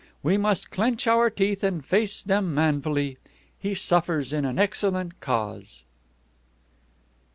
We must clench our teeth and face them manfully. He suffers in an excellent cause."